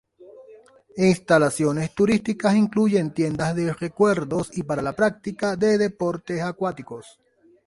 Instalaciones turísticas incluyen tiendas de recuerdos y para la práctica de deportes acuáticos.